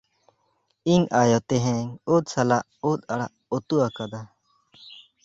ᱤᱧ ᱟᱭᱳ ᱛᱮᱦᱮᱸᱧ ᱩᱫ ᱥᱟᱞᱟᱜ ᱩᱫ ᱟᱲᱟᱜ ᱩᱛᱩ ᱟᱠᱟᱫᱟ ᱾